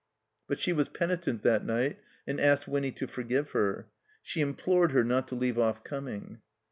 But she was penitent that night and asked Winny to forgive her. She implored her not to leave off coming.